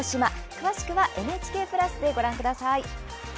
詳しくはＮＨＫプラスでご覧ください。